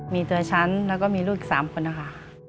มีตัวฉันแล้วก็มีลูกอีก๓คนนะคะ